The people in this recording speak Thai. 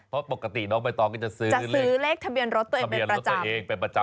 เพราะปกติน้องใบตองก็จะซื้อเลขทะเบียนรถตัวเองเป็นประจำ